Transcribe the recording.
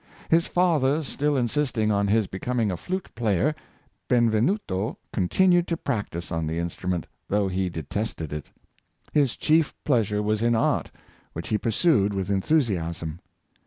His father still insisting on his becoming a flute play er, Benvenuto continued to practice on the instrument, though he detested it. His chief pleasure was in art, which he pursued with enthusiasm.